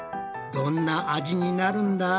どんな味になるんだ？